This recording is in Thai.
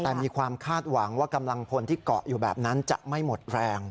แต่มีความคาดหวังว่ากำลังพลที่เกาะอยู่แบบนั้นจะไม่หมดแรง